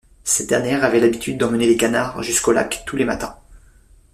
Cette dernière avait l'habitude d'emmener les canards jusqu'au lac tous les matins.